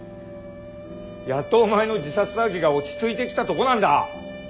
やっとお前の自殺騒ぎが落ち着いてきたとこなんだ。